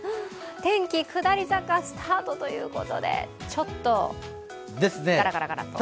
天気下り坂スタートということで、ちょっと、ガラガラガラと。